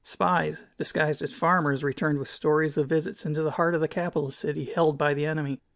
Spies, disguised as farmers, returned with stories of visits into the heart of the capital city held by the enemy.